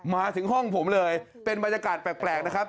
มาถึงห้องผมเลยเป็นบรรยากาศแปลกนะครับ